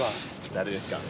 誰ですか。